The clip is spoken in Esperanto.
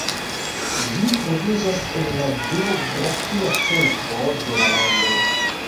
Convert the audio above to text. Ĝi troviĝas en la geografia centro de la lando.